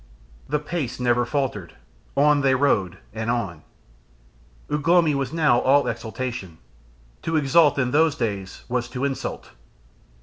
The pace never faltered, on they rode and on. Ugh lomi was now all exultation. To exult in those days was to insult.